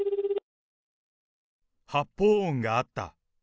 発砲音があった。